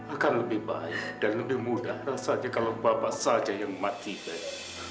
akan lebih baik dan lebih mudah rasanya kalau bapak saja yang mati baik